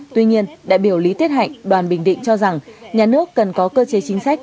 tuy nhiên đại biểu lý tiết hạnh đoàn bình định cho rằng nhà nước cần có cơ chế chính sách